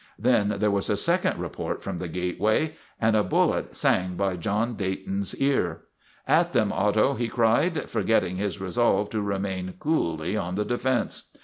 Then there was a second report from the gateway and a bullet sang by John Dayton's ear. " At them, Otto !' he cried, forgetting his re solve to remain coolly on the defense.